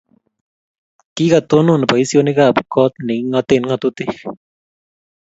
Kikatonon boisionik ab kot nr kingate ngatutik